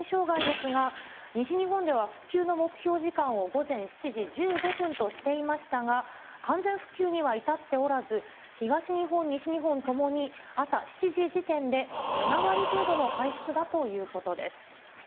さて、お伝えしているＫＤＤＩの通信障害ですが、西日本では復旧の目標時間を午前７時１５分としていましたが、完全復旧にはいたっておらず東日本、西日本ともに、朝７時時点で７割程度の回復だということです。